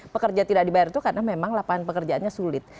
pekerja tidak dibayar itu karena memang lapangan pekerjaannya sulit